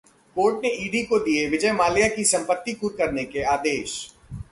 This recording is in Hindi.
कोर्ट ने ईडी को दिए विजय माल्या की संपत्ति कुर्क करने के आदेश